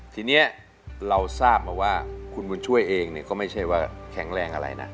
ทีนี้เราทราบมาว่าคุณบุญช่วยเองก็ไม่ใช่ว่าแข็งแรงอะไรนะ